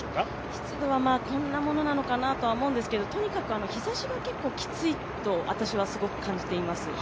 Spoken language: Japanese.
湿度はこんなものなのかなとは思うんですがとにかく日ざしがきついと私はすごく感じています。